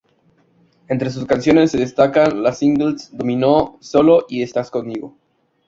Entre sus canciones se destacan los singles Dominó, Solo y Estás Conmigo.